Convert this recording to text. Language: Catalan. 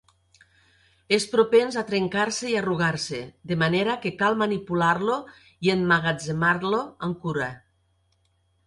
És propens a trencar-se i arrugar-se, de manera que cal manipular-lo i emmagatzemar-lo amb cura.